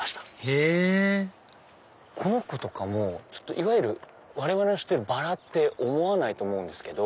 へぇこの子とかもいわゆる我々の知っているバラって思わないと思うんですけど。